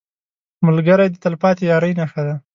ملګری د تلپاتې یارۍ نښه ده